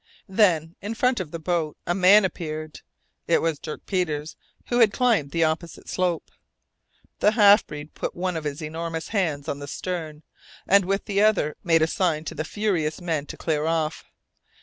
Then, in front of the boat, a man appeared. It was Dirk Peters, who had climbed the opposite slope. The half breed put one of his enormous hands on the stern and with the other made a sign to the furious men to clear off.